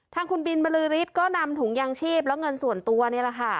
ทางคุณบินบรือฤทธิ์ก็นำถุงยางชีพและเงินส่วนตัวนี่แหละค่ะ